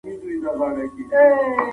تاسو به له بې ځایه سیالۍ څخه ډډه کوئ.